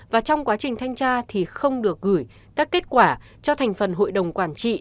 và trong quá trình thanh tra thì không được gửi các kết quả cho thành phần hội đồng quản trị